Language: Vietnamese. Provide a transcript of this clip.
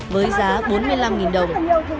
với giá bốn mươi năm đồng